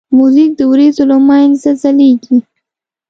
موزیک د وریځو له منځه ځلیږي.